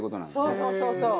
そうそうそうそう。